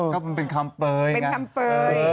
ก็มันเป็นคำเปย